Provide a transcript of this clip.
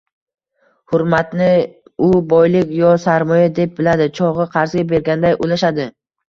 Hurmatni u boylik yo sarmoya deb biladi chog’i, qarzga berganday ulashadi.